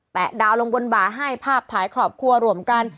ดาวลงบนบ่าให้ภาพถ่ายครอบครัวรวมกัน